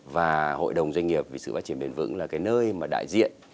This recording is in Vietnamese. và hội đồng doanh nghiệp vì sự phát triển bền vững là cái nơi mà đại diện